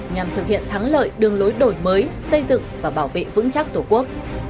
nhằm thực hiện thắng lợi đường lối đổi mới xây dựng và bảo vệ vững chắc tổ quốc